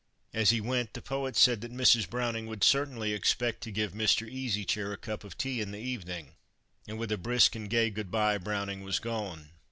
As he went, the poet said that Mrs. Browning would certainly expect to give Mr. Easy Chair a cup of tea in the evening, and with a brisk and gay good bye, Browning was gone.